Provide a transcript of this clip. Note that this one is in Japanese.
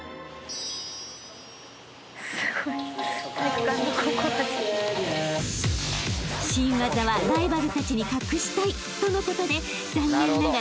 ［新技はライバルたちに隠したいとのことで残念ながら］